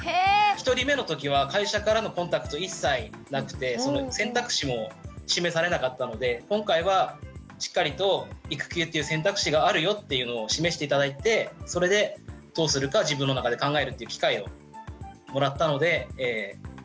１人目の時は会社からのコンタクト一切なくて選択肢も示されなかったので今回はしっかりと育休っていう選択肢があるよっていうのを示して頂いてそれでどうするか自分の中で考えるという機会をもらったので助かりました。